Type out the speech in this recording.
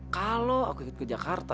kalau aku ikut ke jakarta